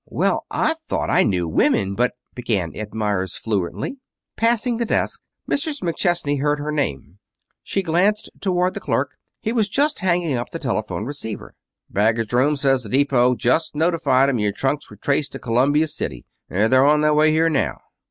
"Well, I thought I knew women, but " began Ed Meyers fluently. Passing the desk, Mrs. McChesney heard her name. She glanced toward the clerk. He was just hanging up the telephone receiver. "Baggage room says the depot just notified 'em your trunks were traced to Columbia City. They're on their way here now."